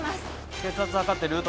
血圧測ってルート